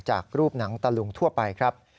จากรูปหนังตะลุงทั่วไปครับ